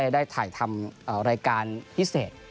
ได้ถ่ายทำรายการพิเศษ